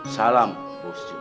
salam bos jun